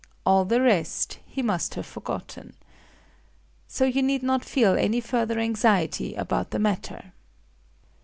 All the rest he must have forgotten... So you need not feel any further anxiety about the matter."